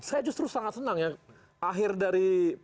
saya justru sangat senang ya akhir dari